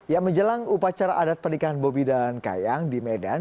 ya menjelang upacara adat pernikahan bobi dan kayang di medan